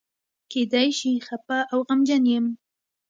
کېدای شي خپه او غمجن یم.